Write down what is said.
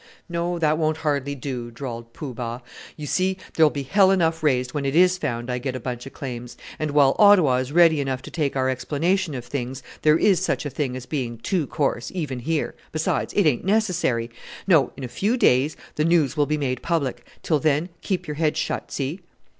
"No, that won't hardly do," drawled Poo Bah; "you see there'll be hell enough raised when it is found I get a bunch of claims; and while Ottawa is ready enough to take our explanation of things, there is such a thing as being too coarse, even here besides, it ain't necessary. No, in a few days the news will be made public: till then keep your heads shut, see?"